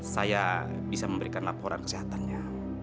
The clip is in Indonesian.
saya bisa memberikan laporan kesehatannya